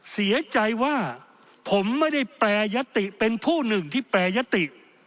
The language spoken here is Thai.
เสียใจว่าผมไม่ได้แปรยติเป็นผู้หนึ่งที่แปรยติ